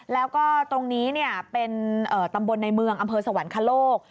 แล้วก็ตรงนี้เป็นตำบลในเมืองอำเภอสวรรคโลก